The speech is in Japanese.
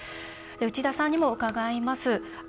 内田さんにも伺います。